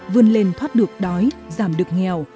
vươn lên thoát được đói giảm được nghèo